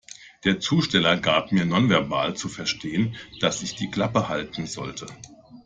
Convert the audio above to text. Der Zusteller gab mir nonverbal zu verstehen, dass ich die Klappe halten sollte.